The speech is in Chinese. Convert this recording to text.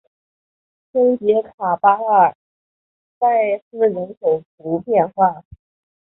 丰捷卡巴尔代斯人口变化图示